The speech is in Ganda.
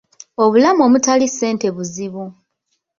Obulamu omutali ssente buzibu.